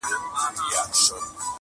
اوس د شپې نکلونه دي پېیلي په اغزیو،